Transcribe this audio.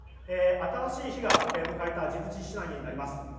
新しい日を迎えたジブチ市内になります。